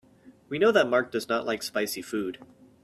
We know that Mark does not like spicy food.